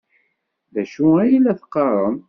D acu ay la teqqarem?